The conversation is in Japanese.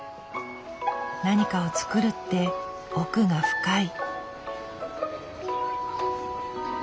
何かを作るって奥が深い。